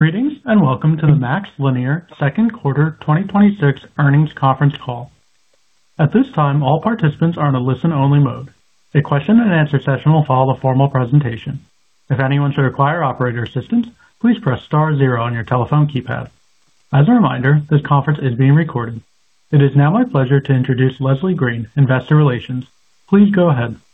Greetings. Welcome to the MaxLinear second quarter 2026 earnings conference call. At this time, all participants are in a listen-only mode. A question and answer session will follow the formal presentation. If anyone should require operator assistance, please press star zero on your telephone keypad. As a reminder, this conference is being recorded. It is now my pleasure to introduce Leslie Green, Investor Relations. Please go ahead. Thank you,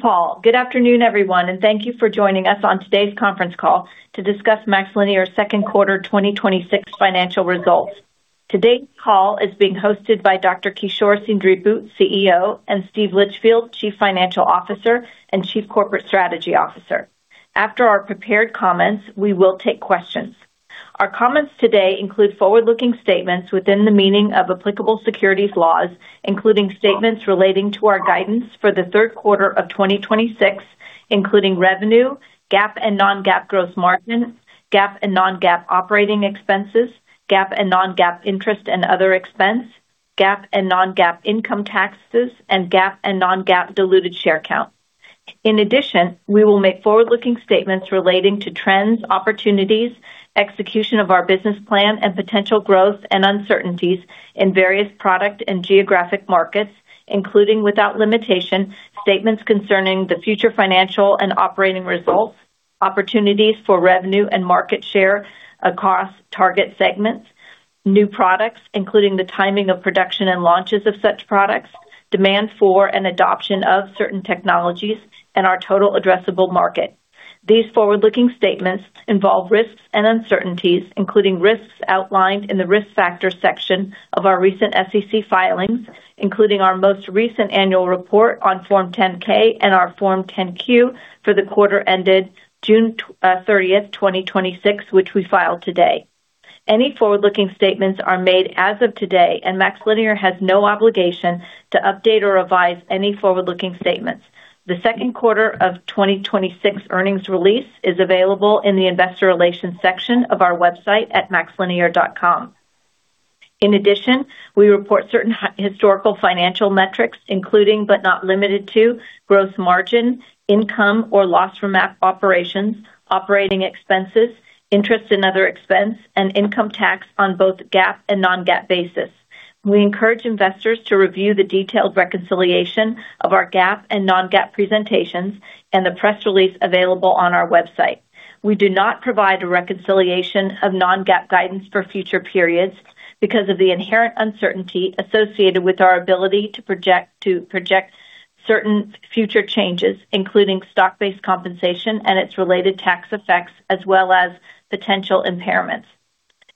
Paul. Good afternoon, everyone. Thank you for joining us on today's conference call to discuss MaxLinear's second quarter 2026 financial results. Today's call is being hosted by Dr. Kishore Seendripu, CEO, and Steve Litchfield, Chief Financial Officer and Chief Corporate Strategy Officer. After our prepared comments, we will take questions. Our comments today include forward-looking statements within the meaning of applicable securities laws, including statements relating to our guidance for the third quarter of 2026, including revenue, GAAP and non-GAAP gross margin, GAAP and non-GAAP operating expenses, GAAP and non-GAAP interest and other expense, GAAP and non-GAAP income taxes, and GAAP and non-GAAP diluted share count. In addition, we will make forward-looking statements relating to trends, opportunities, execution of our business plan, and potential growth and uncertainties in various product and geographic markets, including, without limitation, statements concerning the future financial and operating results, opportunities for revenue and market share across target segments, new products, including the timing of production and launches of such products, demand for and adoption of certain technologies, and our total addressable market. These forward-looking statements involve risks and uncertainties, including risks outlined in the risk factors section of our recent SEC filings, including our most recent annual report on Form 10-K and our Form 10-Q for the quarter ended June 30th, 2026, which we filed today. Any forward-looking statements are made as of today. MaxLinear has no obligation to update or revise any forward-looking statements. The second quarter of 2026 earnings release is available in the Investor Relations section of our website at maxlinear.com. In addition, we report certain historical financial metrics, including, but not limited to, gross margin, income or loss from operations, operating expenses, interest and other expense, and income tax on both GAAP and non-GAAP basis. We encourage investors to review the detailed reconciliation of our GAAP and non-GAAP presentations and the press release available on our website. We do not provide a reconciliation of non-GAAP guidance for future periods because of the inherent uncertainty associated with our ability to project certain future changes, including stock-based compensation and its related tax effects, as well as potential impairments.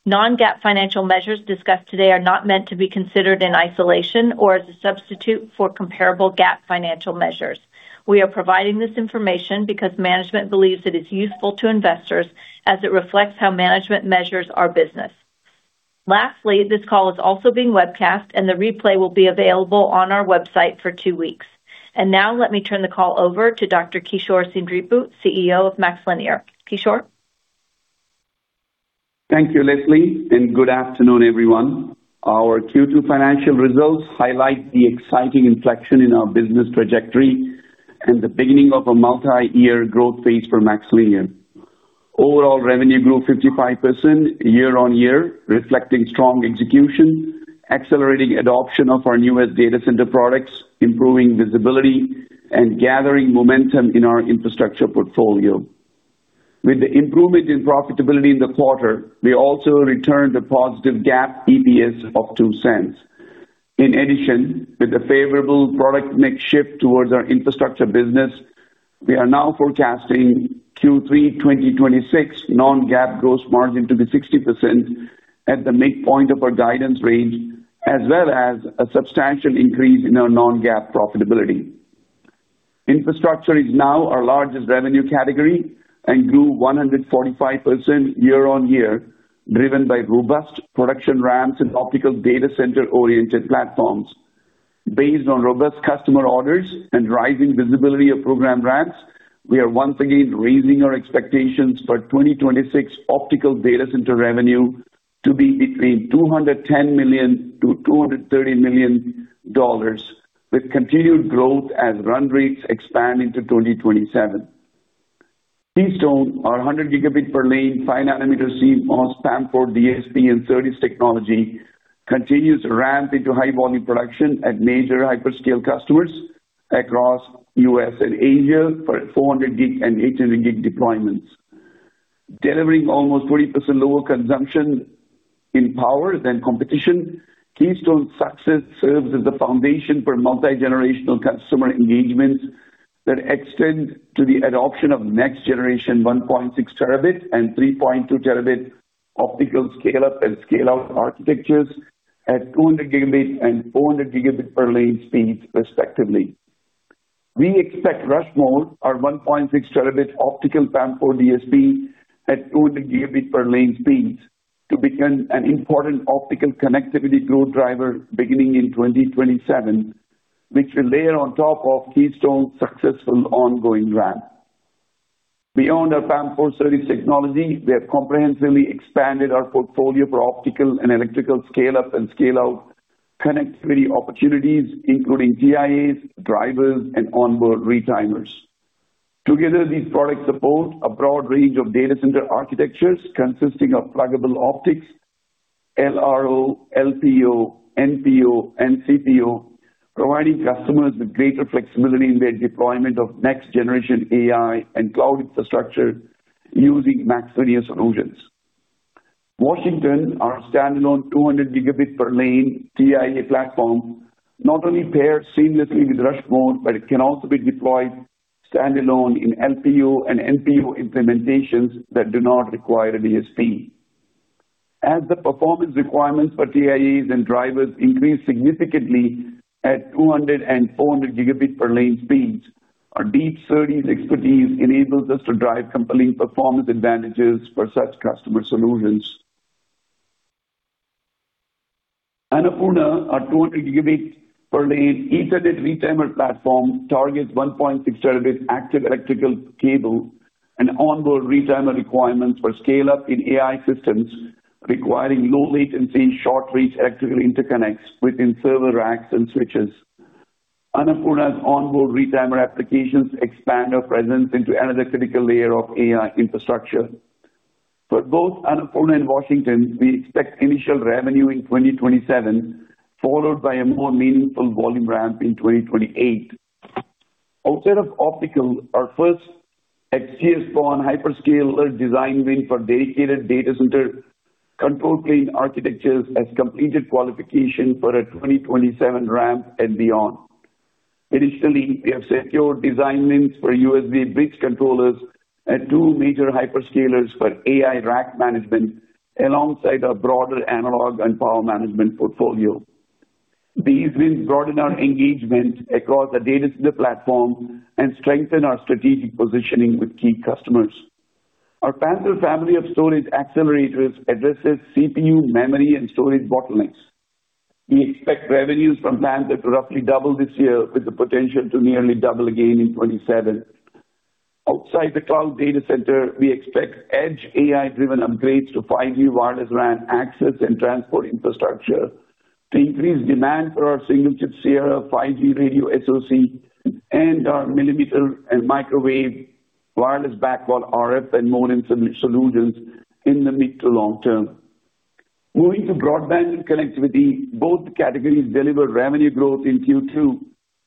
Non-GAAP financial measures discussed today are not meant to be considered in isolation or as a substitute for comparable GAAP financial measures. We are providing this information because management believes that it's useful to investors as it reflects how management measures our business. Lastly, this call is also being webcast, and the replay will be available on our website for two weeks. Now let me turn the call over to Dr. Kishore Seendripu, CEO of MaxLinear. Kishore? Thank you, Leslie, good afternoon, everyone. Our Q2 financial results highlight the exciting inflection in our business trajectory and the beginning of a multiyear growth phase for MaxLinear. Overall revenue grew 55% year-over-year, reflecting strong execution, accelerating adoption of our newest data center products, improving visibility, and gathering momentum in our infrastructure portfolio. With the improvement in profitability in the quarter, we also returned a positive GAAP EPS of $0.02. In addition, with the favorable product mix shift towards our infrastructure business, we are now forecasting Q3 2026 non-GAAP gross margin to be 60% at the midpoint of our guidance range, as well as a substantial increase in our non-GAAP profitability. Infrastructure is now our largest revenue category and grew 145% year-over-year, driven by robust production ramps in optical data center-oriented platforms. Based on robust customer orders and rising visibility of program ramps, we are once again raising our expectations for 2026 optical data center revenue to be between $210 million-$230 million, with continued growth as run rates expand into 2027. Keystone, our 100 Gb per lane, 5 nm CMOS PAM4 DSP and SerDes technology, continues to ramp into high volume production at major hyperscale customers across U.S. and Asia for 400 Gb and 800 Gb deployments. Delivering almost 40% lower consumption in power than competition, Keystone success serves as the foundation for multi-generational customer engagements that extend to the adoption of next generation 1.6 Tb and 3.2 Tb optical scale-up and scale-out architectures at 200 Gb and 400 Gb per lane speeds respectively. We expect Rushmore, our 1.6 Tb optical PAM4 DSP at 200 Gb per lane speeds, to become an important optical connectivity growth driver beginning in 2027, which will layer on top of Keystone's successful ongoing ramp. Beyond our PAM4 SerDes technology, we have comprehensively expanded our portfolio for optical and electrical scale-up and scale-out connectivity opportunities, including TIAs, drivers, and onboard retimers. Together, these products support a broad range of data center architectures consisting of pluggable optics, LRO, LPO, NPO, NCPO, providing customers with greater flexibility in their deployment of next generation AI and cloud infrastructure using MaxLinear solutions. Washington, our standalone 200 Gb per lane TIA platform, not only pairs seamlessly with Rushmore, but it can also be deployed standalone in LPO and NPO implementations that do not require a DSP. As the performance requirements for TIAs and drivers increase significantly at 200 and 400 Gb per lane speeds, our deep SerDes expertise enables us to drive compelling performance advantages for such customer solutions. Annapurna, our 200 Gb per lane Ethernet retimer platform, targets 1.6 Tb active electrical cable and onboard retimer requirements for scale-up in AI systems requiring low latency, short reach electrical interconnects within server racks and switches. Annapurna's onboard retimer applications expand our presence into another critical layer of AI infrastructure. For both Annapurna and Washington, we expect initial revenue in 2027, followed by a more meaningful volume ramp in 2028. Outside of optical, our first XGS-PON hyperscaler design win for dedicated data center control plane architectures has completed qualification for a 2027 ramp and beyond. Additionally, we have secured design wins for USB bridge controllers at two major hyperscalers for AI rack management, alongside our broader analog and power management portfolio. These wins broaden our engagement across the data center platform and strengthen our strategic positioning with key customers. Our Panther family of storage accelerators addresses CPU memory and storage bottlenecks. We expect revenues from Panther to roughly double this year, with the potential to nearly double again in 2027. Outside the cloud data center, we expect edge AI-driven upgrades to 5G wireless LAN access and transport infrastructure to increase demand for our single chip Sierra 5G radio SoC and our millimeter and microwave wireless backhaul RF and MODEM solutions in the mid to long term. Moving to broadband and connectivity, both categories delivered revenue growth in Q2,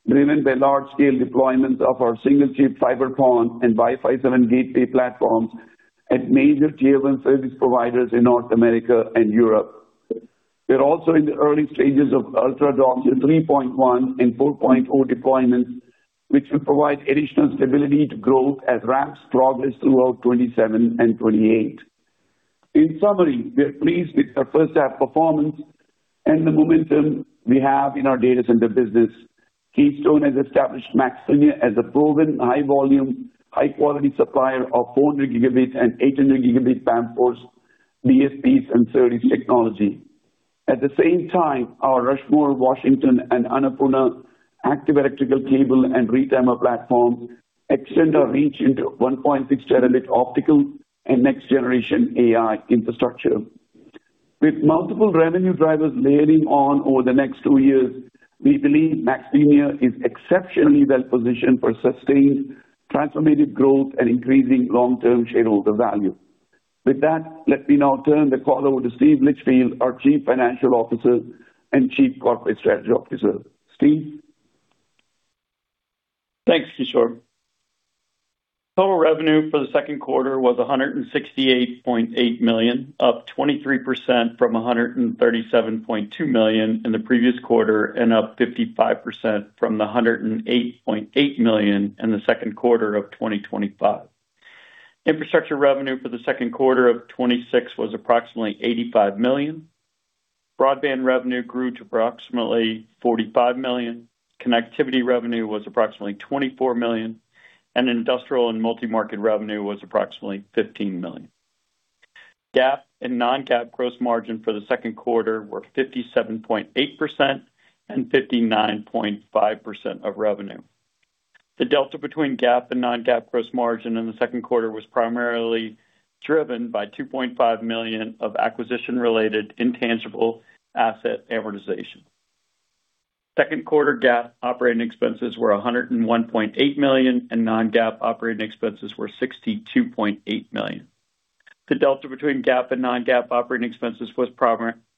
driven by large scale deployments of our single chip fiber PON and Wi-Fi 7 gateway platforms at major Tier 1 service providers in North America and Europe. We are also in the early stages of Ultra DOCSIS 3.1 and 4.0 deployments, which will provide additional stability to growth as ramps progress throughout 2027 and 2028. In summary, we are pleased with our first half performance and the momentum we have in our data center business. Keystone has established MaxLinear as a proven high volume, high quality supplier of 400 Gb and 800 Gb PAM4 DSPs and SerDes technology. At the same time, our Rushmore, Washington, and Annapurna active electrical cable and retimer platforms extend our reach into 1.6 Tb optical and next generation AI infrastructure. With multiple revenue drivers layering on over the next two years, we believe MaxLinear is exceptionally well positioned for sustained transformative growth and increasing long-term shareholder value. With that, let me now turn the call over to Steve Litchfield, our Chief Financial Officer and Chief Corporate Strategy Officer. Steve? Thanks, Kishore. Total revenue for the second quarter was $168.8 million, up 23% from $137.2 million in the previous quarter, and up 55% from the $108.8 million in the second quarter of 2025. Infrastructure revenue for the second quarter of 2026 was approximately $85 million. Broadband revenue grew to approximately $45 million. Connectivity revenue was approximately $24 million, and industrial and multi-market revenue was approximately $15 million. GAAP and non-GAAP gross margin for the second quarter were 57.8% and 59.5% of revenue. The delta between GAAP and non-GAAP gross margin in the second quarter was primarily driven by $2.5 million of acquisition-related intangible asset amortization. Second quarter GAAP operating expenses were $101.8 million, and non-GAAP operating expenses were $62.8 million. The delta between GAAP and non-GAAP operating expenses was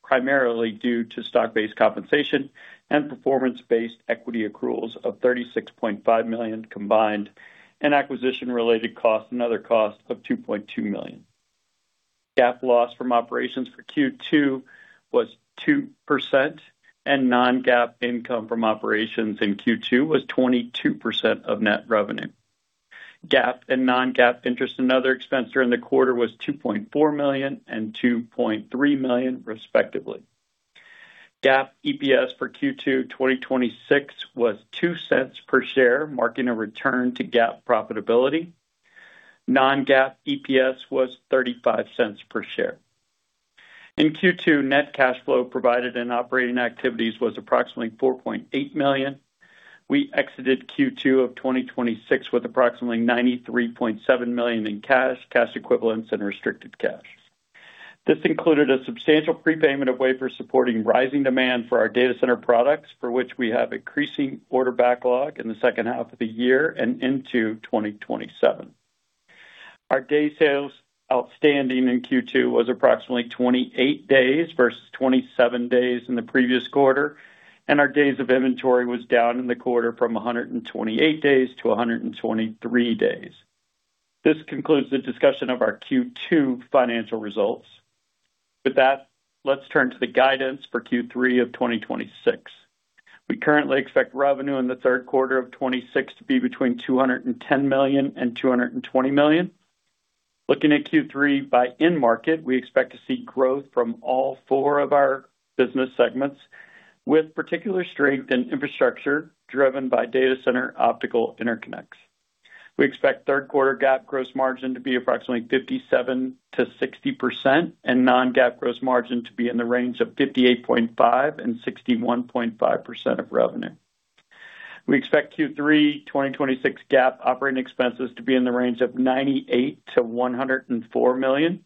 primarily due to stock-based compensation and performance-based equity accruals of $36.5 million combined, and acquisition-related costs and other costs of $2.2 million. GAAP loss from operations for Q2 was 2%, and non-GAAP income from operations in Q2 was 22% of net revenue. GAAP and non-GAAP interest and other expense during the quarter was $2.4 million and $2.3 million, respectively. GAAP EPS for Q2 2026 was $0.02 per share, marking a return to GAAP profitability. Non-GAAP EPS was $0.35 per share. In Q2, net cash flow provided in operating activities was approximately $4.8 million. We exited Q2 of 2026 with approximately $93.7 million in cash equivalents, and restricted cash. This included a substantial prepayment of wafer supporting rising demand for our data center products, for which we have increasing order backlog in the second half of the year and into 2027. Our day sales outstanding in Q2 was approximately 28 days versus 27 days in the previous quarter, and our days of inventory was down in the quarter from 128 days to 123 days. This concludes the discussion of our Q2 financial results. With that, let's turn to the guidance for Q3 of 2026. We currently expect revenue in the third quarter of 2026 to be between $210 million and $220 million. Looking at Q3 by end market, we expect to see growth from all four of our business segments, with particular strength in infrastructure driven by data center optical interconnects. We expect third quarter GAAP gross margin to be approximately 57%-60%, and non-GAAP gross margin to be in the range of 58.5% and 61.5% of revenue. We expect Q3 2026 GAAP operating expenses to be in the range of $98 million-$104 million.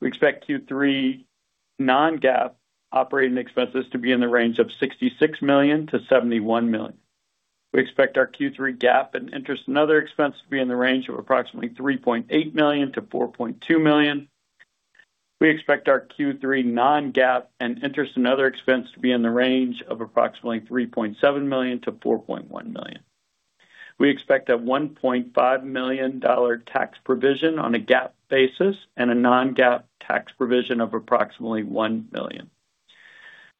We expect Q3 non-GAAP operating expenses to be in the range of $66 million-$71 million. We expect our Q3 GAAP and interest and other expense to be in the range of approximately $3.8 million-$4.2 million. We expect our Q3 non-GAAP and interest and other expense to be in the range of approximately $3.7 million-$4.1 million. We expect a $1.5 million tax provision on a GAAP basis and a non-GAAP tax provision of approximately $1 million.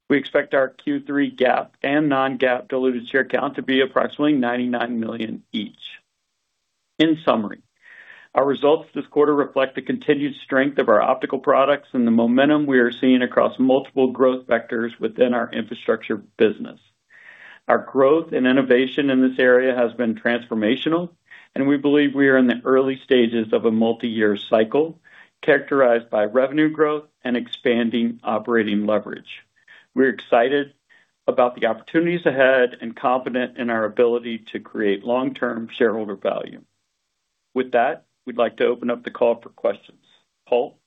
We expect our Q3 GAAP and non-GAAP diluted share count to be approximately 99 million each. In summary, our results this quarter reflect the continued strength of our optical products and the momentum we are seeing across multiple growth vectors within our infrastructure business. Our growth and innovation in this area has been transformational, and we believe we are in the early stages of a multiyear cycle characterized by revenue growth and expanding operating leverage. We're excited about the opportunities ahead and confident in our ability to create long-term shareholder value. With that, we'd like to open up the call for questions. Paul?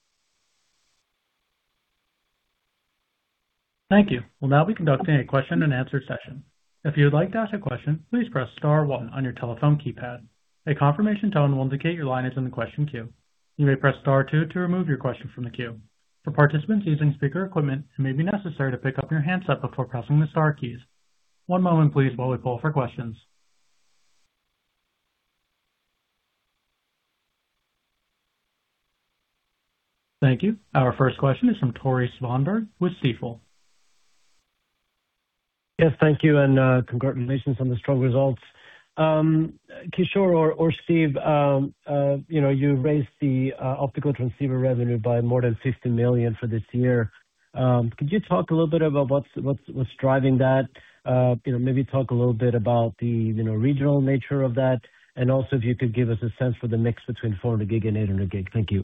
Thank you. We'll now be conducting a question and answer session. If you would like to ask a question, please press star one on your telephone keypad. A confirmation tone will indicate your line is in the question queue. You may press star two to remove your question from the queue. For participants using speaker equipment, it may be necessary to pick up your handset before pressing the star keys. One moment, please, while we call for questions. Thank you. Our first question is from Tore Svanberg with Stifel. Yes, thank you, and congratulations on the strong results. Kishore or Steve, you raised the optical transceiver revenue by more than $50 million for this year. Could you talk a little bit about what's driving that? Maybe talk a little bit about the regional nature of that, also if you could give us a sense for the mix between 400 Gb and 800 Gb. Thank you.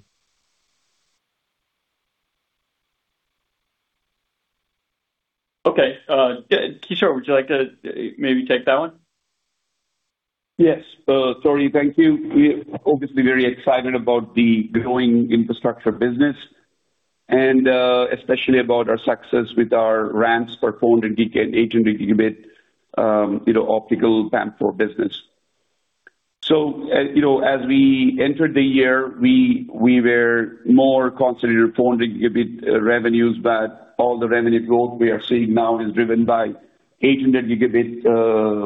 Okay. Kishore, would you like to maybe take that one? Yes. Tore, thank you. We're obviously very excited about the growing infrastructure business, and especially about our success with our ramps for 400 Gb, 800 Gb optical PAM4 business. As we entered the year, we were more concentrated at 400 Gb revenues, but all the revenue growth we are seeing now is driven by 800 Gb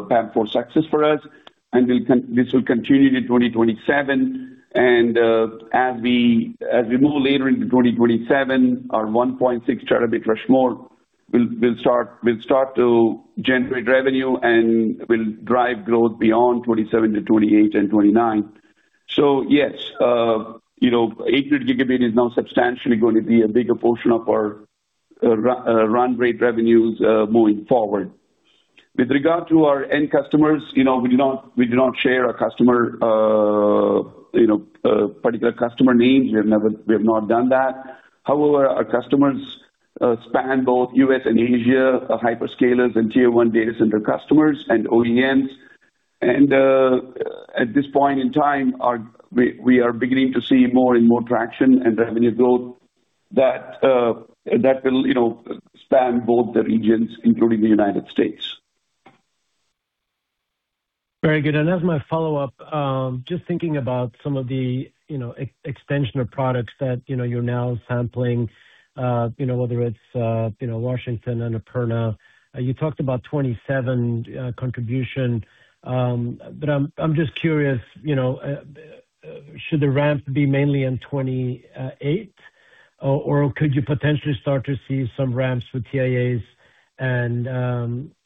PAM4 success for us, and this will continue to 2027. As we move later into 2027, our 1.6 Tb Rushmore will start to generate revenue and will drive growth beyond 2027-2028 and 2029. Yes, 800 Gb is now substantially going to be a bigger portion of our run rate revenues moving forward. With regard to our end customers, we do not share our particular customer names. We have not done that. However, our customers span both U.S. and Asia, our hyperscalers and Tier 1 data center customers and OEMs. At this point in time, we are beginning to see more and more traction and revenue growth that will span both the regions, including the United States. Very good. As my follow-up, just thinking about some of the extension of products that you're now sampling, whether it's Washington, Annapurna. You talked about 2027 contribution. I'm just curious, should the ramp be mainly in 2028, or could you potentially start to see some ramps with TIAs and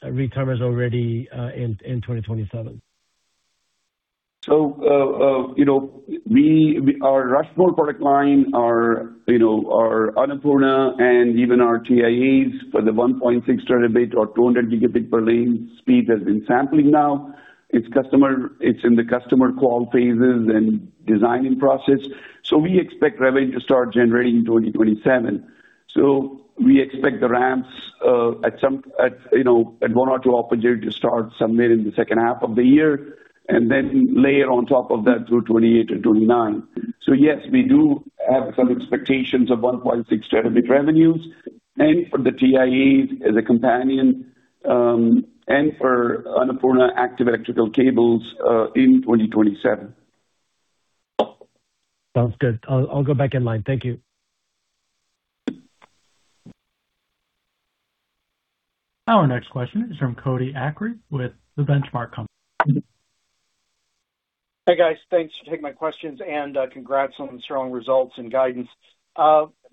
retimers already in 2027? Our Rushmore product line, our Annapurna, and even our TIAs for the 1.6 Tb or 200 Gb per lane speed has been sampling now. It's in the customer qual phases and designing process. We expect revenue to start generating in 2027. We expect the ramps at one or two opportunities to start somewhere in the second half of the year, and then layer on top of that through 2028 and 2029. Yes, we do have some expectations of 1.6 Tb revenues and for the TIA as a companion, and for Annapurna active electrical cables in 2027. Sounds good. I'll go back in line. Thank you. Our next question is from Cody Acree with The Benchmark Company. Hey, guys. Thanks for taking my questions. Congrats on the strong results and guidance.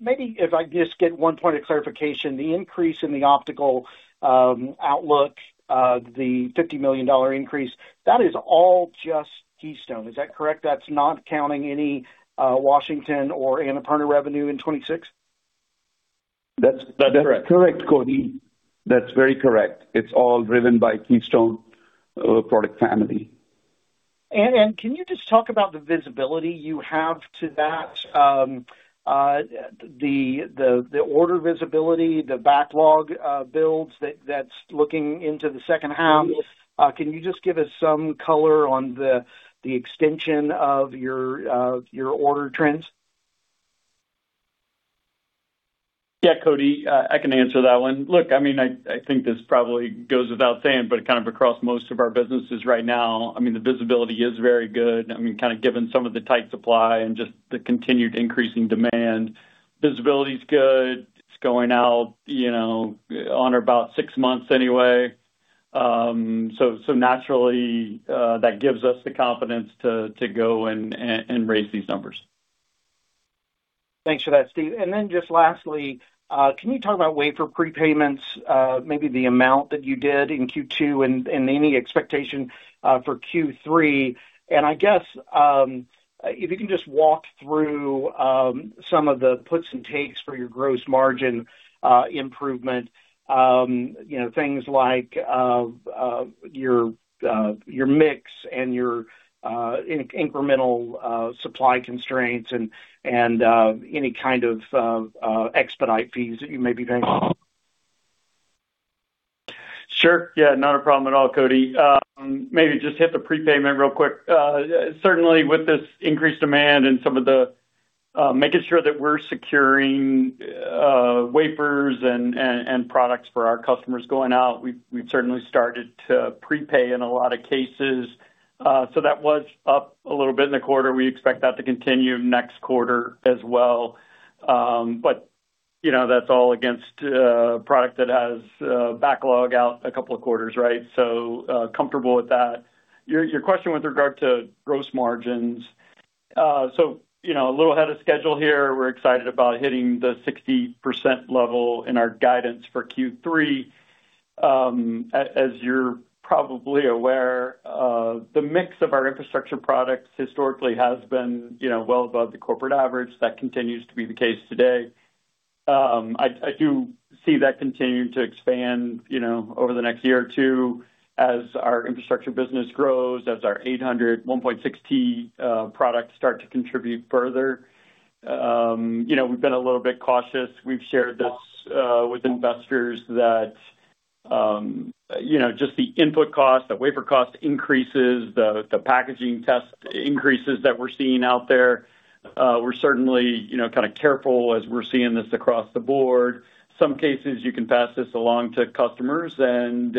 Maybe if I could just get one point of clarification, the increase in the optical outlook, the $50 million increase, that is all just Keystone, is that correct? That's not counting any Washington or Annapurna revenue in 2026? That's correct, Cody. That's very correct. It's all driven by Keystone product family. Can you just talk about the visibility you have to that? The order visibility, the backlog builds that's looking into the second half. Yes. Can you just give us some color on the extension of your order trends? Yeah, Cody. I can answer that one. Look, I think this probably goes without saying, but kind of across most of our businesses right now, the visibility is very good. Given some of the tight supply and just the continued increasing demand, visibility's good. It's going out on or about six months anyway. Naturally, that gives us the confidence to go and raise these numbers. Thanks for that, Steve. Then just lastly, can you talk about wafer prepayments, maybe the amount that you did in Q2 and any expectation for Q3? I guess, if you can just walk through some of the puts and takes for your gross margin improvement. Things like your mix and your incremental supply constraints and any kind of expedite fees that you may be paying. Sure. Yeah, not a problem at all, Cody. Maybe just hit the prepayment real quick. Certainly, with this increased demand and some of the making sure that we're securing wafers and products for our customers going out, we've certainly started to prepay in a lot of cases. That was up a little bit in the quarter. We expect that to continue next quarter as well. That's all against a product that has a backlog out a couple of quarters, right? Comfortable with that. Your question with regard to gross margins. A little ahead of schedule here. We're excited about hitting the 60% level in our guidance for Q3. As you're probably aware, the mix of our infrastructure products historically has been well above the corporate average. That continues to be the case today. I do see that continuing to expand over the next year or two as our infrastructure business grows, as our 800 Gb, 1.6 Tb products start to contribute further. We've been a little bit cautious. We've shared this with investors that just the input cost, the wafer cost increases, the packaging test increases that we're seeing out there, we're certainly careful as we're seeing this across the board. Some cases, you can pass this along to customers. We've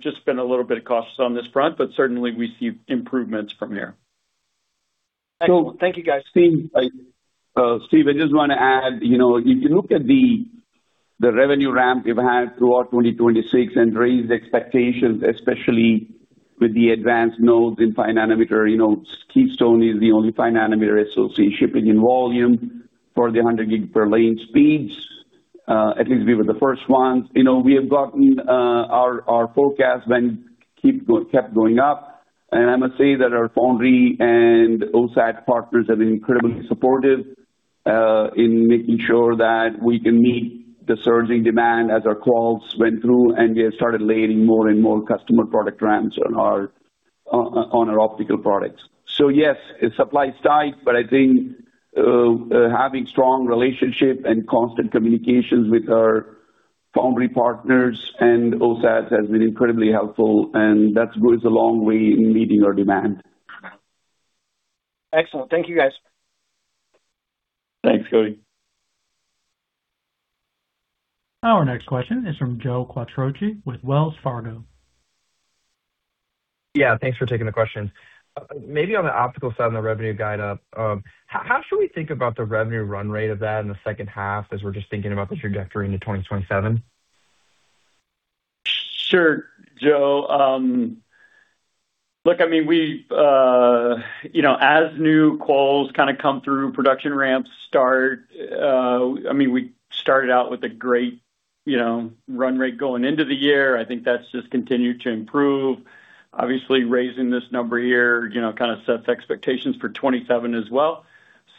just been a little bit cautious on this front, but certainly, we see improvements from here. Thank you, guys. Steve, I just want to add, if you look at the revenue ramp we've had throughout 2026 and raised expectations, especially with the advanced nodes in 5 nm, Keystone is the only 5 nm SoC shipping in volume for the 100 Gb per lane speeds. At least we were the first ones. We have gotten our forecast kept going up. I must say that our foundry and OSAT partners have been incredibly supportive in making sure that we can meet the surging demand as our quals went through, and we have started landing more and more customer product ramps on our optical products. Yes, supply is tight, but I think having strong relationship and constant communications with our foundry partners and OSATs has been incredibly helpful, and that goes a long way in meeting our demand. Excellent. Thank you, guys. Thanks, Cody. Our next question is from Joe Quattrocchi with Wells Fargo. Yeah, thanks for taking the questions. Maybe on the optical side on the revenue guide up, how should we think about the revenue run rate of that in the second half as we're just thinking about the trajectory into 2027? Sure, Joe. Look, as new quals come through, production ramps start, we started out with a great run rate going into the year. I think that's just continued to improve. Obviously, raising this number here sets expectations for 2027 as well.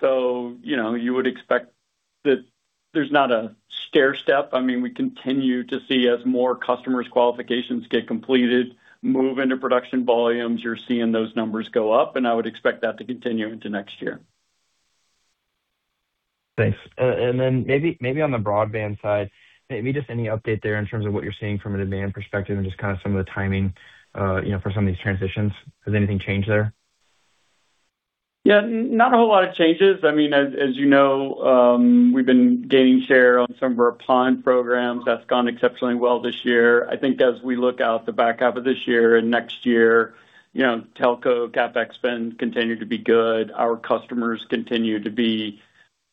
You would expect that there's not a stairstep. We continue to see as more customers' qualifications get completed, move into production volumes, you're seeing those numbers go up, and I would expect that to continue into next year. Thanks. Maybe on the broadband side, maybe just any update there in terms of what you're seeing from a demand perspective and just some of the timing for some of these transitions. Has anything changed there? Yeah. Not a whole lot of changes. As you know, we've been gaining share on some of our PON programs. That's gone exceptionally well this year. I think as we look out the back half of this year and next year, telco CapEx spend continue to be good. Our customers continue to be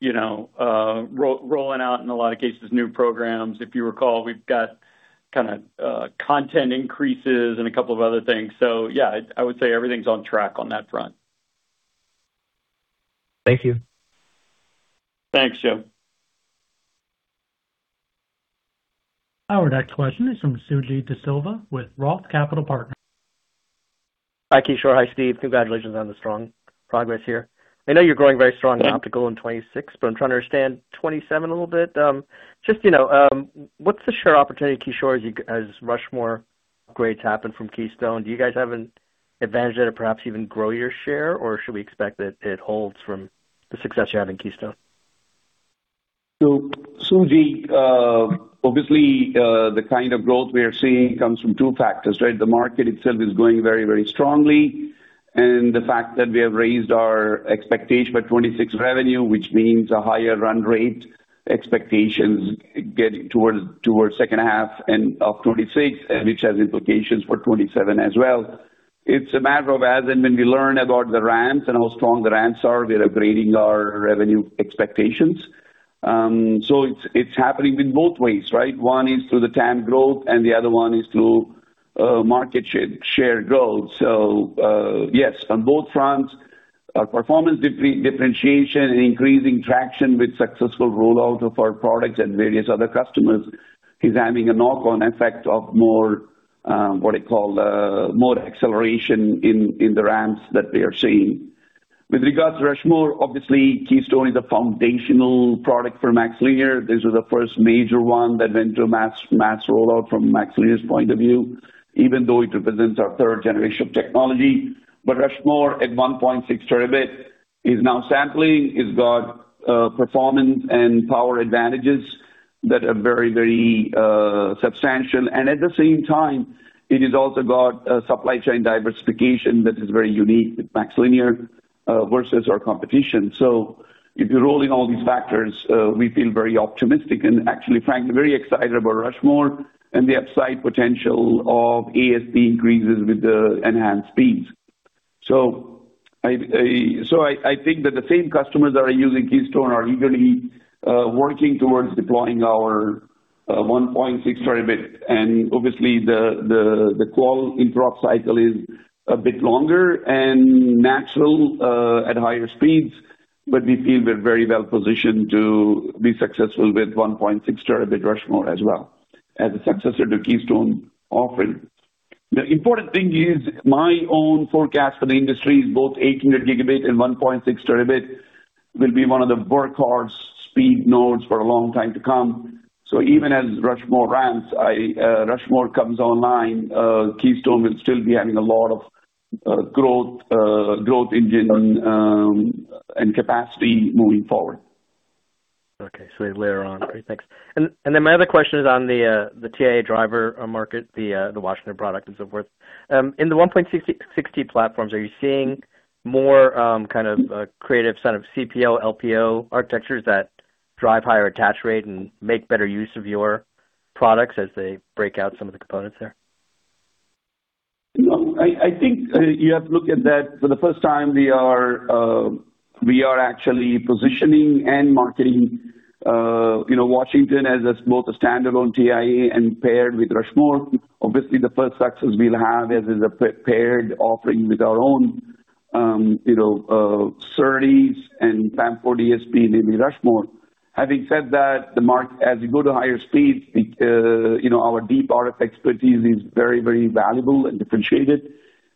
rolling out, in a lot of cases, new programs. If you recall, we've got content increases and a couple of other things. Yeah, I would say everything's on track on that front. Thank you. Thanks, Joe. Our next question is from Suji Desilva with ROTH Capital Partners. Hi, Kishore. Hi, Steve. Congratulations on the strong progress here. I know you're growing very strong in optical in 2026, but I'm trying to understand 2027 a little bit. Just what's the share opportunity, Kishore, as Rushmore upgrades happen from Keystone? Do you guys have an advantage there to perhaps even grow your share, or should we expect that it holds from the success you have in Keystone? Suji, obviously, the kind of growth we are seeing comes from two factors, right? The market itself is growing very, very strongly, and the fact that we have raised our expectation by 2026 revenue, which means a higher run rate, expectations getting towards second half and of 2026, which has implications for 2027 as well. It's a matter of as and when we learn about the ramps and how strong the ramps are, we are upgrading our revenue expectations. It's happening in both ways, right? One is through the TAM growth and the other one is through market share growth. Yes, on both fronts, our performance differentiation and increasing traction with successful rollout of our products and various other customers is having a knock-on effect of more, what I call, more acceleration in the ramps that we are seeing. With regards to Rushmore, obviously Keystone is the foundational product for MaxLinear. This is the first major one that went to mass rollout from MaxLinear's point of view, even though it represents our third generation of technology. Rushmore, at 1.6 Tb, is now sampling. It's got performance and power advantages that are very, very substantial, and at the same time, it has also got a supply chain diversification that is very unique with MaxLinear versus our competition. If you roll in all these factors, we feel very optimistic and actually, frankly, very excited about Rushmore and the upside potential of ASP increases with the enhanced speeds. I think that the same customers that are using Keystone are eagerly working towards deploying our 1.6 Tb. Obviously the qual interrupt cycle is a bit longer and natural at higher speeds, but we feel we're very well positioned to be successful with 1.6 Tb Rushmore as well as a successor to Keystone offering. The important thing is my own forecast for the industry is both 800 Gb and 1.6 Tb will be one of the workhorse speed nodes for a long time to come. Even as Rushmore ramps, Rushmore comes online, Keystone will still be having a lot of growth engine and capacity moving forward. Okay. Great. Thanks. My other question is on the TIA driver market, the Washington product and so forth. In the 1.6 Tb platforms, are you seeing more creative set of CPO, LPO architectures that drive higher attach rate and make better use of your products as they break out some of the components there? No. I think you have to look at that for the first time we are actually positioning and marketing Washington as both a standalone TIA and paired with Rushmore. Obviously, the first success we'll have is as a paired offering with our own SerDes and PAM4 DSP, namely Rushmore. Having said that, as we go to higher speeds, our deep product expertise is very, very valuable and differentiated,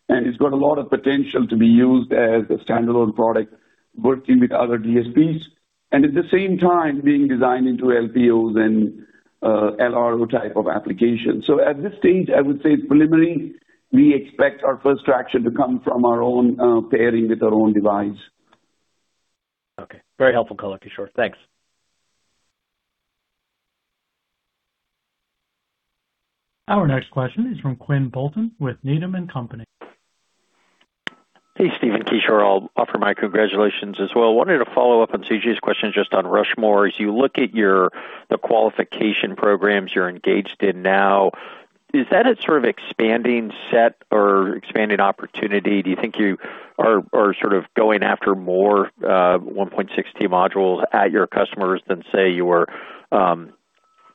and it's got a lot of potential to be used as a standalone product working with other DSPs, and at the same time being designed into LPOs and LRO type of applications. At this stage, I would say it's preliminary. We expect our first traction to come from our own pairing with our own device. Okay. Very helpful color, Kishore. Thanks. Our next question is from Quinn Bolton with Needham & Company. Hey, Steve and Kishore. I'll offer my congratulations as well. Wanted to follow up on Suji's question just on Rushmore. As you look at the qualification programs you're engaged in now, is that a sort of expanding set or expanding opportunity? Do you think you are sort of going after more 1.6 Tb modules at your customers than, say, you were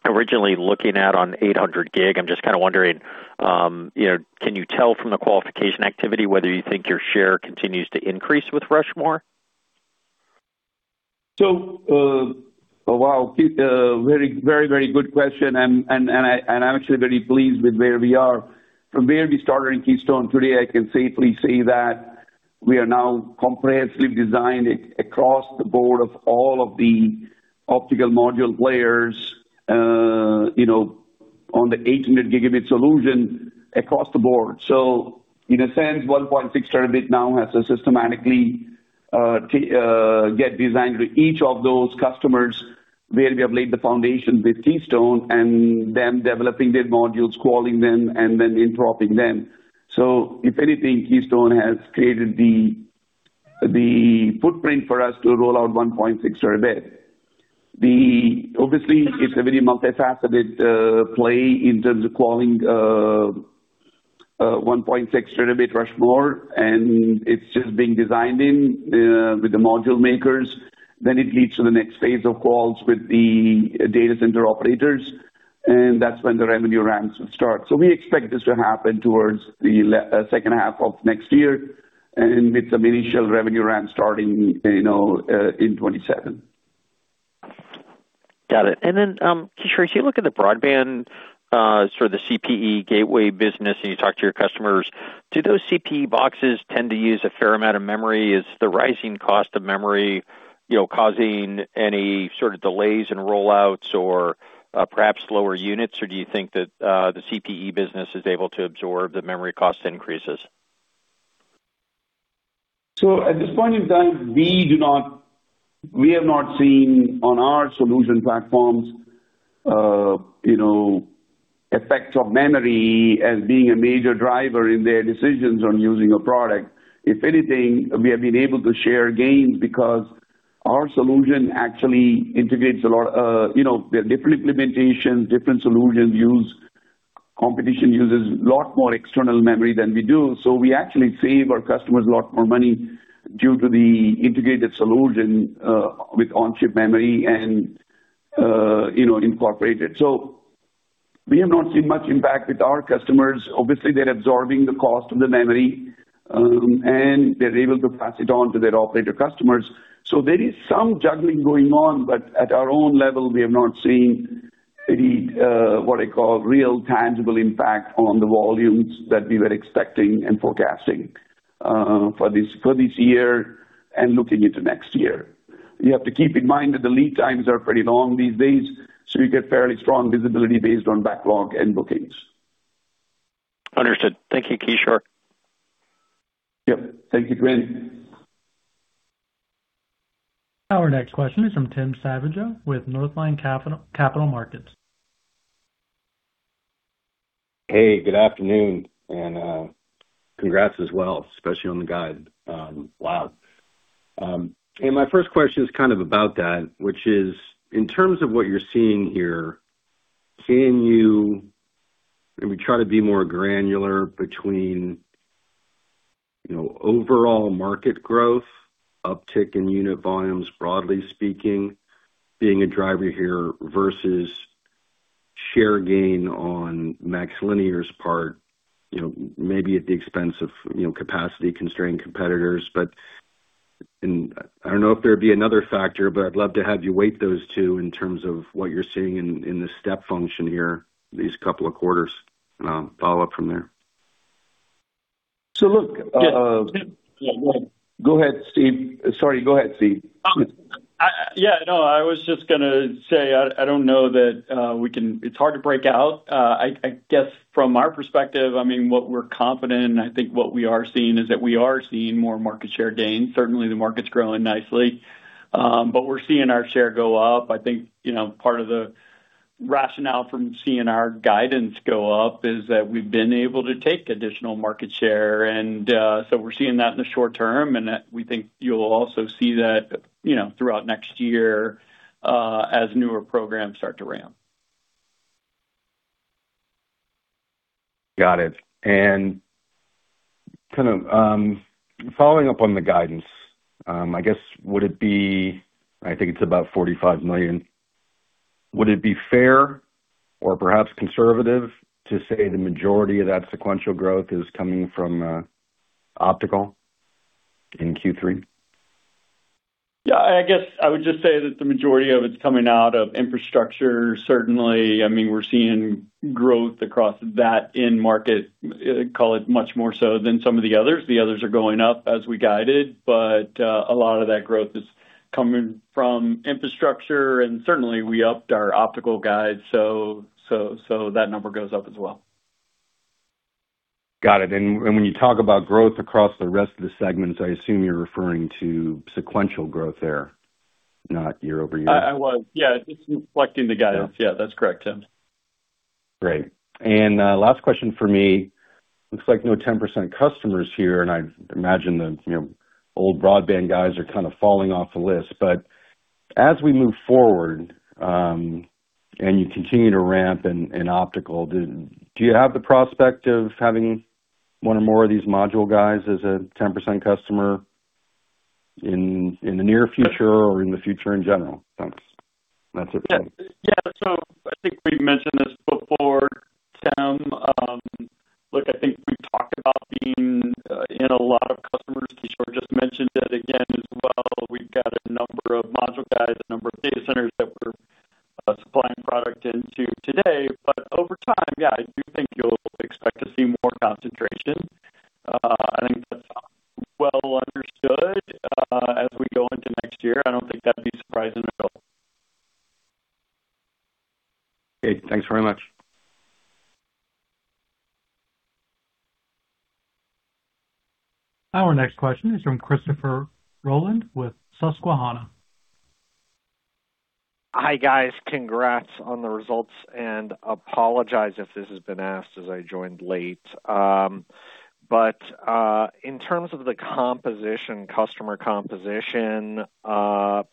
originally looking at on 800 Gb? I'm just kind of wondering, can you tell from the qualification activity whether you think your share continues to increase with Rushmore? Wow. Very, very good question, and I'm actually very pleased with where we are. From where we started in Keystone, today I can safely say we are now comprehensively designing across the board of all of the optical module players on the 800 Gb solution across the board. In a sense, 1.6 Tb now has to systematically get designed with each of those customers where we have laid the foundations with Keystone and them developing their modules, qualing them, and then interoping them. If anything, Keystone has created the footprint for us to roll out 1.6 Tb. Obviously, it's a very multifaceted play in terms of qualing 1.6 Tb Rushmore, and it's just being designed in with the module makers. It leads to the next phase of quals with the data center operators, and that's when the revenue ramps would start. We expect this to happen towards the second half of next year and with some initial revenue ramps starting in 2027. Got it. Kishore, as you look at the broadband, sort of the CPE gateway business, and you talk to your customers, do those CPE boxes tend to use a fair amount of memory? Is the rising cost of memory causing any sort of delays in rollouts or perhaps slower units? Do you think that the CPE business is able to absorb the memory cost increases? At this point in time, we have not seen on our solution platforms effects of memory as being a major driver in their decisions on using a product. If anything, we have been able to share gains because our solution actually integrates a lot. There are different implementations, different solutions used. Competition uses lot more external memory than we do, we actually save our customers a lot more money due to the integrated solution with on-chip memory and incorporated. We have not seen much impact with our customers. Obviously, they're absorbing the cost of the memory, and they're able to pass it on to their operator customers. There is some juggling going on, but at our own level, we have not seen any, what I call, real tangible impact on the volumes that we were expecting and forecasting for this year and looking into next year. You have to keep in mind that the lead times are pretty long these days, so you get fairly strong visibility based on backlog and bookings. Understood. Thank you, Kishore. Yep. Thank you, Quinn. Our next question is from Tim Savageaux with Northland Capital Markets. Hey, good afternoon, and congrats as well, especially on the guide. Wow. My first question is kind of about that, which is, in terms of what you're seeing here, can you maybe try to be more granular between overall market growth uptick in unit volumes, broadly speaking, being a driver here versus share gain on MaxLinear's part maybe at the expense of capacity-constrained competitors. I don't know if there'd be another factor, but I'd love to have you weight those two in terms of what you're seeing in the step function here these couple of quarters and I'll follow up from there. So look- Yeah. Go ahead, Steve. Sorry. Go ahead, Steve. Yeah, no, I was just gonna say, I don't know that It's hard to break out. I guess from our perspective, what we're confident and I think what we are seeing is that we are seeing more market share gains. Certainly, the market's growing nicely. We're seeing our share go up. I think part of the rationale from seeing our guidance go up is that we've been able to take additional market share. We're seeing that in the short term, and we think you'll also see that throughout next year as newer programs start to ramp. Got it. Following up on the guidance, I guess would it be, I think it's about $45 million. Would it be fair or perhaps conservative to say the majority of that sequential growth is coming from optical in Q3? Yeah, I guess I would just say that the majority of it's coming out of infrastructure, certainly. We're seeing growth across that end market, call it much more so than some of the others. The others are going up as we guided, but a lot of that growth is coming from infrastructure. Certainly, we upped our optical guide, so that number goes up as well. Got it. When you talk about growth across the rest of the segments, I assume you're referring to sequential growth there, not year-over-year. I was. Yeah, just reflecting the guidance. Yeah. Yeah, that's correct, Tim. Great. Last question for me. Looks like no 10% customers here, and I imagine the old broadband guys are kind of falling off the list. As we move forward, and you continue to ramp in optical, do you have the prospect of having one or more of these module guys as a 10% customer in the near future or in the future in general? Thanks. That's it for me. Yeah. I think we've mentioned this before, Tim. Look, I think we've talked about being in a lot of customers. Kishore just mentioned it again as well. We've got a number of module guys, a number of data centers that we're supplying product into today. Over time, yeah, I do think you'll expect to see more concentration. I think that's well understood as we go into next year. I don't think that'd be surprising at all. Great. Thanks very much. Our next question is from Christopher Rolland with Susquehanna. Hi, guys. Congrats on the results. Apologize if this has been asked as I joined late. In terms of the customer composition,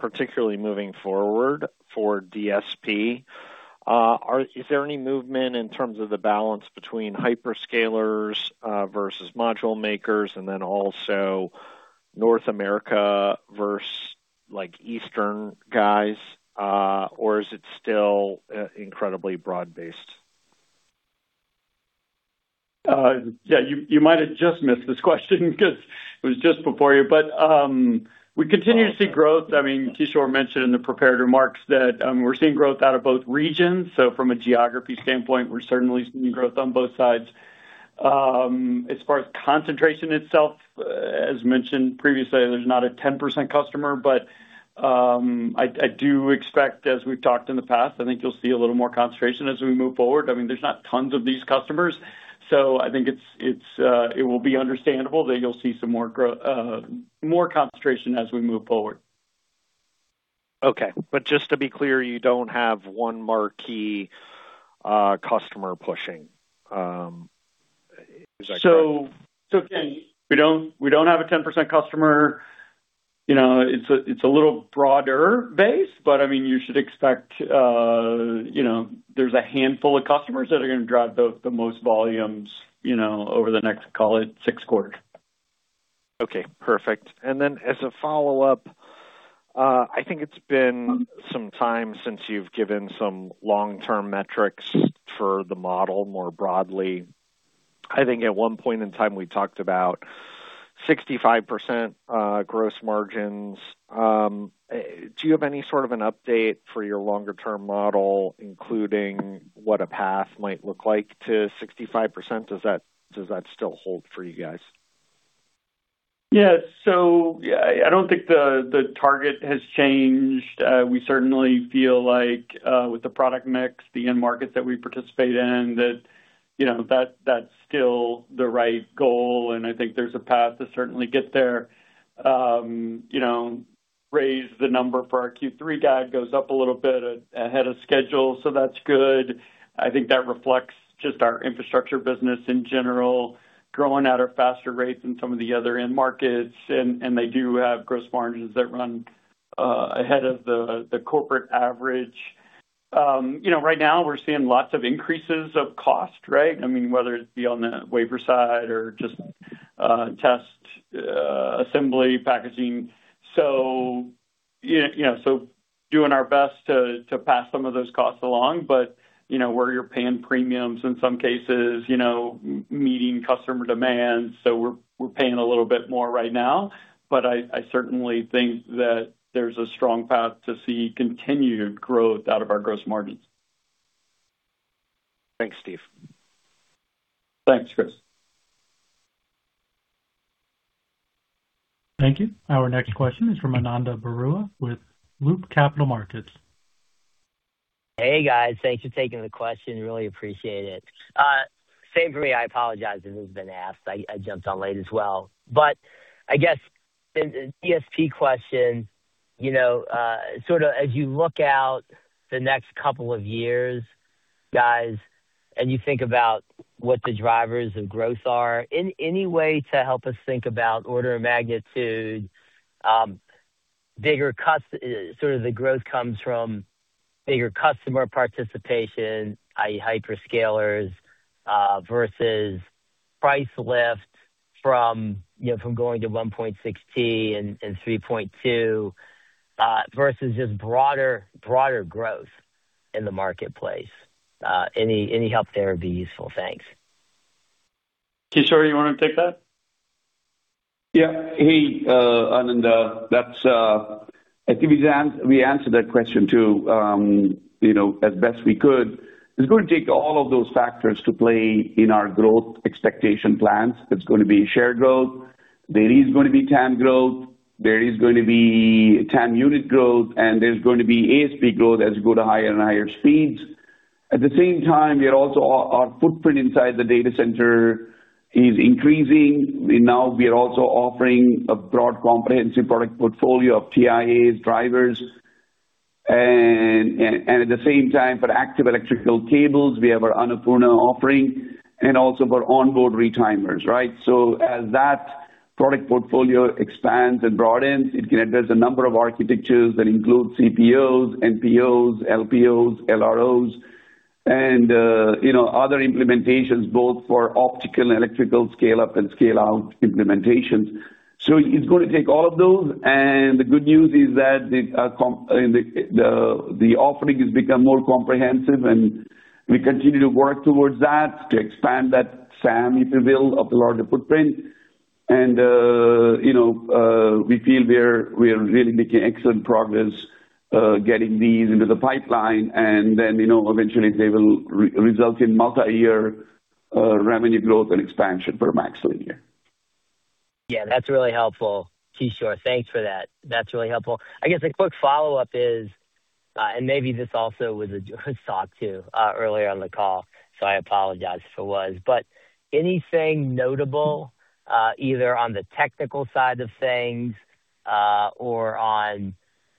particularly moving forward for DSP, is there any movement in terms of the balance between hyperscalers versus module makers, and then also North America versus Eastern guys? Is it still incredibly broad-based? Yeah. You might have just missed this question because it was just before you. We continue to see growth. Kishore mentioned in the prepared remarks that we're seeing growth out of both regions. From a geography standpoint, we're certainly seeing growth on both sides. As far as concentration itself, as mentioned previously, there's not a 10% customer. I do expect, as we've talked in the past, I think you'll see a little more concentration as we move forward. There's not tons of these customers. I think it will be understandable that you'll see some more concentration as we move forward. Okay. Just to be clear, you don't have one marquee customer pushing. Is that correct? Again, we don't have a 10% customer. It's a little broader base. You should expect there's a handful of customers that are going to drive the most volumes over the next, call it, six quarters. Okay, perfect. As a follow-up, I think it's been some time since you've given some long-term metrics for the model more broadly. I think at one point in time, we talked about 65% gross margins. Do you have any sort of an update for your longer-term model, including what a path might look like to 65%? Does that still hold for you guys? Yeah. I don't think the target has changed. We certainly feel like with the product mix, the end markets that we participate in, that that's still the right goal, and I think there's a path to certainly get there. Raised the number for our Q3 guide, goes up a little bit ahead of schedule, so that's good. I think that reflects just our infrastructure business in general, growing at a faster rate than some of the other end markets, and they do have gross margins that run ahead of the corporate average. Right now we're seeing lots of increases of cost, right? Whether it be on the wafer side or just test assembly packaging. Doing our best to pass some of those costs along. Where you're paying premiums in some cases, meeting customer demands. We're paying a little bit more right now, I certainly think that there's a strong path to see continued growth out of our gross margins. Thanks, Steve. Thanks, Chris. Thank you. Our next question is from Ananda Baruah with Loop Capital Markets. Hey, guys. Thanks for taking the question. Really appreciate it. Same for me, I apologize if this has been asked. I jumped on late as well. I guess the DSP question, sort of as you look out the next couple of years, guys, and you think about what the drivers of growth are, in any way to help us think about order of magnitude, sort of the growth comes from bigger customer participation, i.e., hyperscalers, versus price lift from going to 1.6 Tb and 3.2 Tb, versus just broader growth in the marketplace. Any help there would be useful. Thanks. Kishore, you want to take that? Yeah. Hey, Ananda. I think we answered that question too as best we could. It's going to take all of those factors to play in our growth expectation plans. There's going to be share growth. There is going to be TAM growth. There is going to be TAM unit growth. There's going to be ASP growth as you go to higher and higher speeds. At the same time, our footprint inside the data center is increasing. Now we are also offering a broad, comprehensive product portfolio of TIAs drivers. At the same time, for active electrical cables, we have our Annapurna offering. Also for onboard retimers, right? As that product portfolio expands and broadens, it can address a number of architectures that include CPOs, NPOs, LPOs, LROs. Other implementations both for optical and electrical scale-up and scale-out implementations. It's going to take all of those. The good news is that the offering has become more comprehensive. We continue to work towards that to expand that family, if you will, of the larger footprint. We feel we are really making excellent progress getting these into the pipeline. Eventually they will result in multi-year revenue growth and expansion for MaxLinear. Yeah, that's really helpful, Kishore. Thanks for that. That's really helpful. I guess a quick follow-up is. Maybe this also was talked to earlier on the call. I apologize if it was. Anything notable, either on the technical side of things or on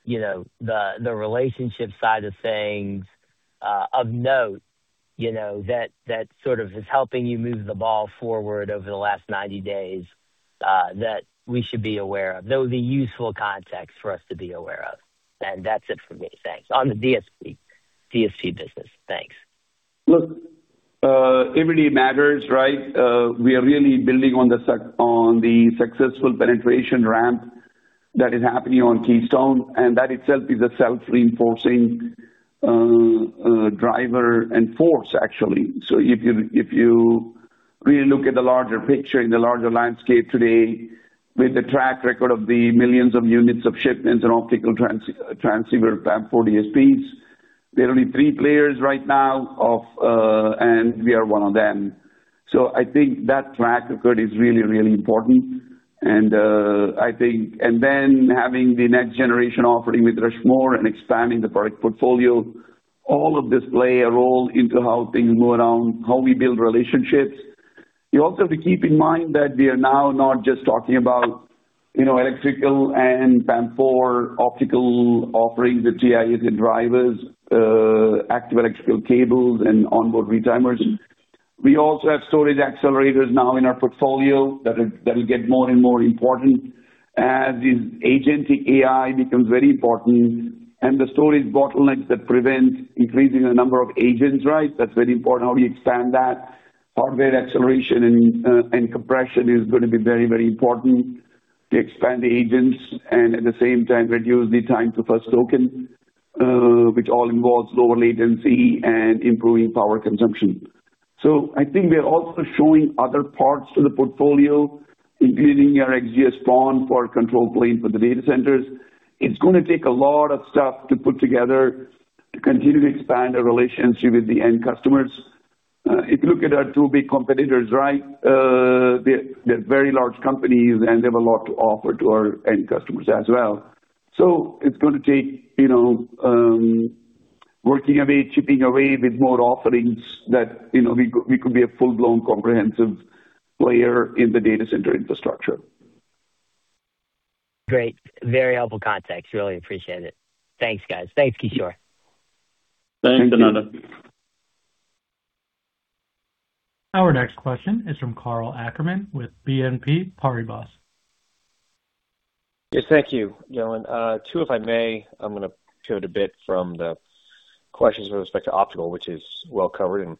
the relationship side of things of note that sort of is helping you move the ball forward over the last 90 days, that we should be aware of? That would be useful context for us to be aware of. That's it for me. Thanks. On the DSP business. Thanks. Look, every day matters, right? We are really building on the successful penetration ramp that is happening on Keystone. That itself is a self-reinforcing driver and force, actually. If you really look at the larger picture in the larger landscape today, with the track record of the millions of units of shipments and optical transceiver PAM4 DSPs, there are only three players right now. We are one of them. I think that track record is really important. Having the next generation offering with Rushmore. Expanding the product portfolio, all of this play a role into how things move around, how we build relationships. You also have to keep in mind that we are now not just talking about electrical and PAM4 optical offerings with TIAs and drivers, active electrical cables and onboard retimers. We also have storage accelerators now in our portfolio that will get more and more important as this agentic AI becomes very important. The storage bottlenecks that prevent increasing the number of agents, right? That's very important, how we expand that. Hardware acceleration and compression is going to be very important to expand the agents and at the same time reduce the time to first token, which all involves lower latency and improving power consumption. I think we are also showing other parts to the portfolio, including our XGS-PON for control plane for the data centers. It's going to take a lot of stuff to put together to continue to expand our relationship with the end customers. If you look at our two big competitors, right? They're very large companies, and they have a lot to offer to our end customers as well. It's going to take working away, chipping away with more offerings that we could be a full-blown comprehensive player in the data center infrastructure. Great. Very helpful context. Really appreciate it. Thanks, guys. Thanks, Kishore. Thanks, Ananda. Our next question is from Karl Ackerman with BNP Paribas. Yes. Thank you. Two, if I may, I'm going to pivot a bit from the questions with respect to optical, which is well covered, and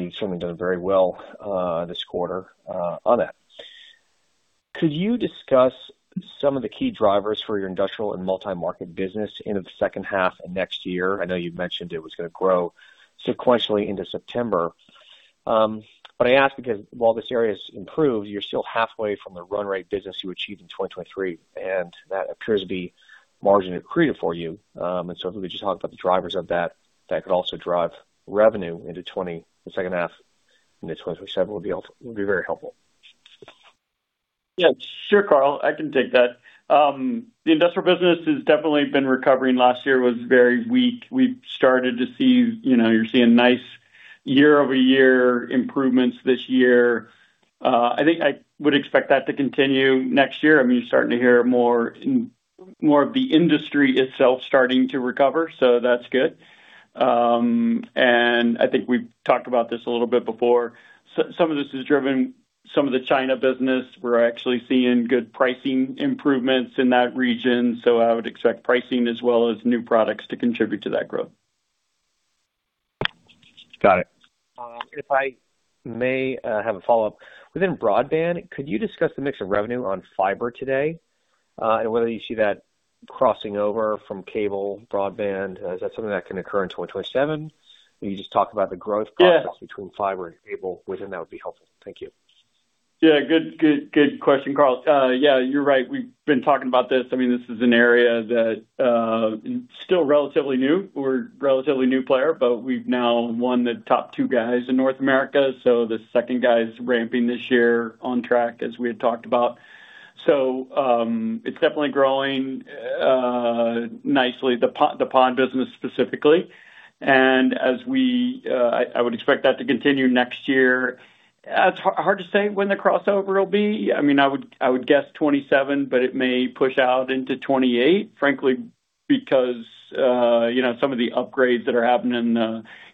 you've certainly done very well this quarter on that. Could you discuss some of the key drivers for your industrial and multi-market business into the second half of next year? I know you've mentioned it was going to grow sequentially into September. I ask because while this area has improved, you're still halfway from the run rate business you achieved in 2023, and that appears to be margin accretive for you. If we could just talk about the drivers of that could also drive revenue the second half into 2027 would be very helpful. Yeah. Sure, Karl. I can take that. The industrial business has definitely been recovering. Last year was very weak. We've started to see, you're seeing nice year-over-year improvements this year. I think I would expect that to continue next year. You're starting to hear more of the industry itself starting to recover, so that's good. I think we've talked about this a little bit before. Some of this is driven, some of the China business, we're actually seeing good pricing improvements in that region. I would expect pricing as well as new products to contribute to that growth. Got it. If I may have a follow-up. Within broadband, could you discuss the mix of revenue on fiber today? Whether you see that crossing over from cable broadband, is that something that can occur in 2027? Can you just talk about the growth prospects- Yeah. Between fiber and cable within that would be helpful. Thank you. Yeah. Good question, Karl. Yeah, you're right. We've been talking about this. This is an area that is still relatively new. We're a relatively new player, but we've now won the top two guys in North America. The second guy's ramping this year on track, as we had talked about. It's definitely growing nicely, the PON business specifically. I would expect that to continue next year. It's hard to say when the crossover will be. I would guess 2027, but it may push out into 2028, frankly, because some of the upgrades that are happening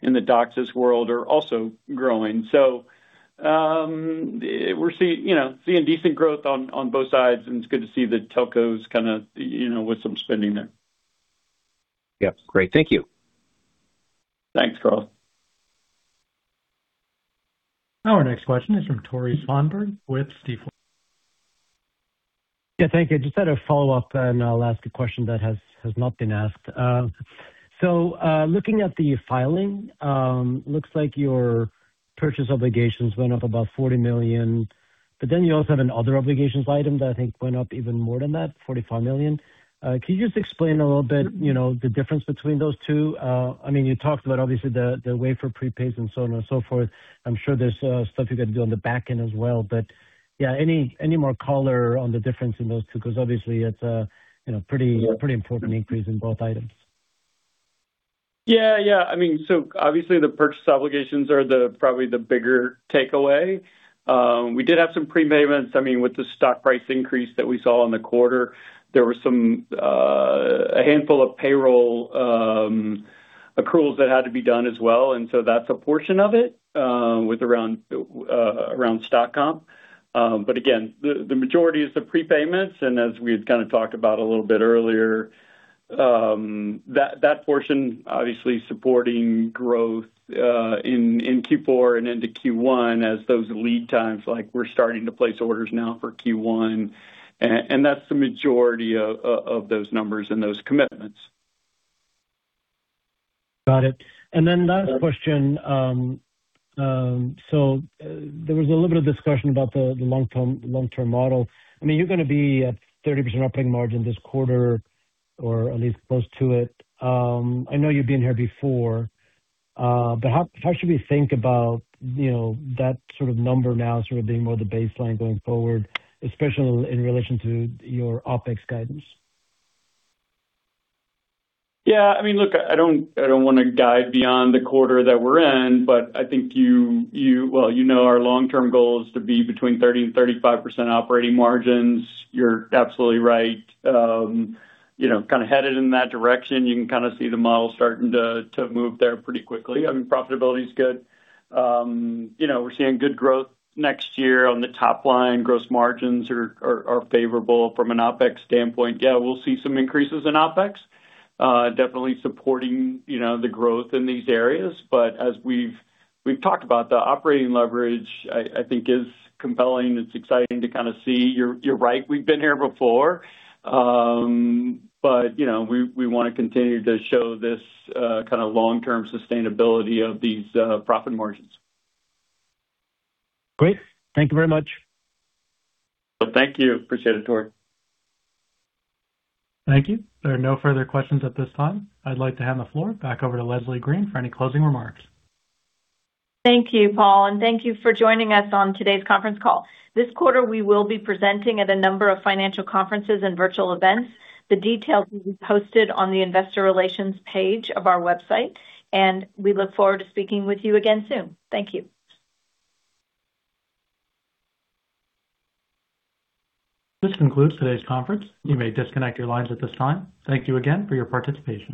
in the DOCSIS world are also growing. We're seeing decent growth on both sides, and it's good to see the telcos kind of with some spending there. Yep. Great. Thank you. Thanks, Karl. Our next question is from Tore Svanberg with Stifel. Yeah, thank you. Just had a follow-up, and I'll ask a question that has not been asked. Looking at the filing, looks like your purchase obligations went up about $40 million. You also have an other obligations item that I think went up even more than that, $45 million. Can you just explain a little bit, the difference between those two? You talked about obviously the wafer prepays and so on and so forth. I'm sure there's stuff you got to do on the back end as well, but yeah, any more color on the difference in those two? Obviously it's a pretty important increase in both items. Yeah. Obviously the purchase obligations are probably the bigger takeaway. We did have some prepayments. With the stock price increase that we saw in the quarter, there was a handful of payroll accruals that had to be done as well, and that's a portion of it, with around stock comp. Again, the majority is the prepayments. As we had kind of talked about a little bit earlier, that portion obviously supporting growth in Q4 and into Q1 as those lead times, like we're starting to place orders now for Q1. That's the majority of those numbers and those commitments. Got it. Last question. There was a little bit of discussion about the long-term model. You're going to be at 30% operating margin this quarter, or at least close to it. I know you've been here before, but how should we think about that sort of number now sort of being more the baseline going forward, especially in relation to your OpEx guidance? Look, I don't want to guide beyond the quarter that we're in, I think you know our long-term goal is to be between 30% and 35% operating margins. You're absolutely right. Kind of headed in that direction. You can kind of see the model starting to move there pretty quickly. Profitability's good. We're seeing good growth next year on the top line. Gross margins are favorable from an OpEx standpoint. We'll see some increases in OpEx, definitely supporting the growth in these areas. As we've talked about, the operating leverage, I think, is compelling. It's exciting to kind of see. You're right, we've been here before. We want to continue to show this kind of long-term sustainability of these profit margins. Great. Thank you very much. Thank you. Appreciate it, Tore. Thank you. There are no further questions at this time. I'd like to hand the floor back over to Leslie Green for any closing remarks. Thank you, Paul, and thank you for joining us on today's conference call. This quarter, we will be presenting at a number of financial conferences and virtual events. The details will be posted on the Investor Relations page of our website, and we look forward to speaking with you again soon. Thank you. This concludes today's conference. You may disconnect your lines at this time. Thank you again for your participation.